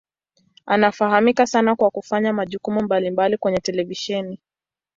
Anafahamika sana kwa kufanya majukumu mbalimbali kwenye televisheni.